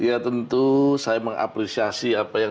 ya tentu saya mengapresiasi apa yang